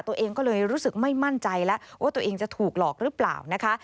ตัวเองก็เลยรู้สึกไม่มั่นใจแล้วว่าตัวเองจะถูกหลอกหรือเปล่านะคะ